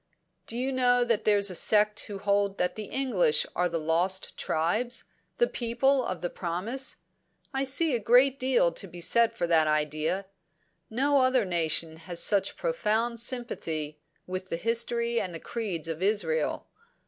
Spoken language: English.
Do you know that there's a sect who hold that the English are the Lost Tribes the People of the Promise? I see a great deal to be said for that idea. No other nation has such profound sympathy with the history and the creeds of Israel.